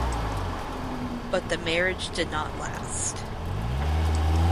But the marriage did not last.